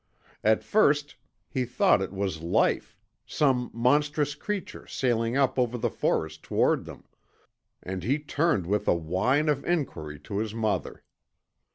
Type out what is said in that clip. At first he thought it was Life some monstrous creature sailing up over the forest toward them and he turned with a whine of enquiry to his mother.